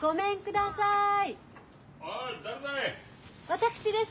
私です。